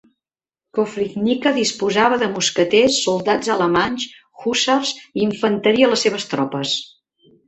Koprivnica disposava de mosqueters, soldats alemanys, hússars i infanteria a les seves tropes.